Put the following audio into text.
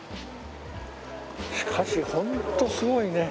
しかしホントすごいね。